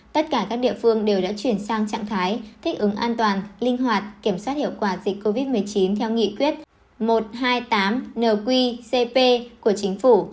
tất cả các địa phương đều đã chuyển sang trạng thái thích ứng an toàn linh hoạt kiểm soát hiệu quả dịch covid một mươi chín theo nghị quyết một trăm hai mươi tám nqcp của chính phủ